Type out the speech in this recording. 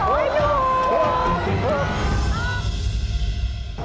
โอ้โฮ